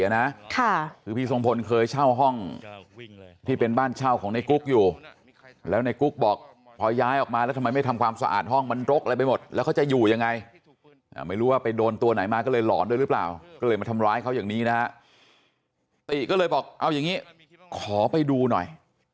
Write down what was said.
นึกว่าเขาไม่แล้วผมไม่วิ่งเนี่ยวันแรกสงสัยโดนแทงไปด้วย